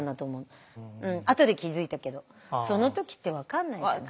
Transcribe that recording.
あとで気付いたけどその時って分かんないじゃない？